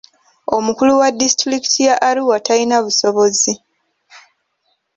Omukulu wa disitulikiti ya Arua talina busobozi.